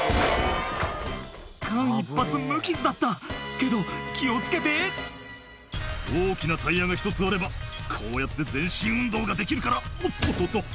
間一髪無傷だったけど気を付けて「大きなタイヤが１つあればこうやって全身運動ができるからおっとっとっと」